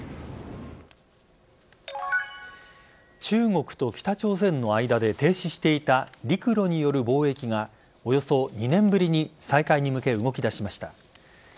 中国と北朝鮮の間で停止していた陸路による貿易がおよそ２年ぶりに再開に向け動き出しました。